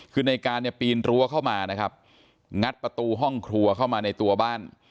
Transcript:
คือในการเนี่ยปีนรั้วเข้ามานะครับงัดประตูห้องครัวเข้ามาในตัวบ้าน